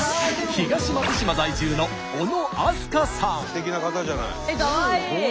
すてきな方じゃない。